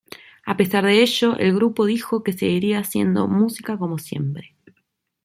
A pesar de ello, el grupo dijo que seguiría haciendo música como siempre.